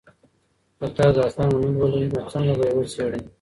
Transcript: که تاسو داستان ونه لولئ نو څنګه به یې وڅېړئ؟